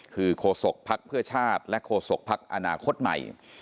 คือโฆษกภักดิ์เพื่อชาติและโฆษกภักดิ์อนาคตใหม่